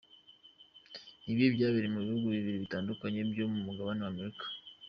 Ibi byabereye mu bihugu bibiri bitandukanye byo mugabane wa Amerika.